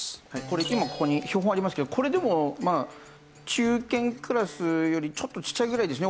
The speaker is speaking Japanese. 今ここに標本ありますけどこれでも中堅クラスよりちょっとちっちゃいぐらいですね